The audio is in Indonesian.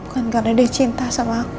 bukan karena dia cinta sama aku